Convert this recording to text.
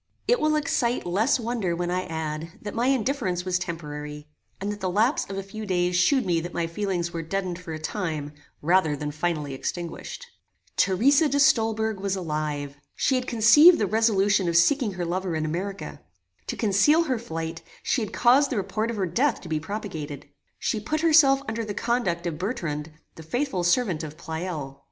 It will excite less wonder when I add, that my indifference was temporary, and that the lapse of a few days shewed me that my feelings were deadened for a time, rather than finally extinguished. Theresa de Stolberg was alive. She had conceived the resolution of seeking her lover in America. To conceal her flight, she had caused the report of her death to be propagated. She put herself under the conduct of Bertrand, the faithful servant of Pleyel.